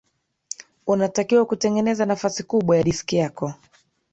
unatakiwa kutengeneza nafasi kubwa ya diski yako